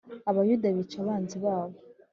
Abayuda bica abanzi babo